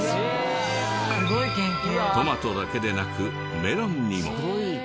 トマトだけでなくメロンにも。